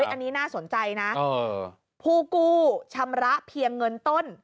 อันนี้น่าสนใจนะผู้กู้ชำระเพียงเงินต้น